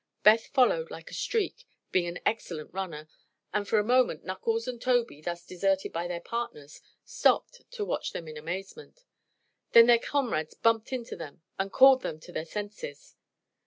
Beth followed like a streak, being an excellent runner, and for a moment Knuckles and Tobey, thus deserted by their partners, stopped to watch them in amazement. Then their comrades bumped into them and recalled them to their senses.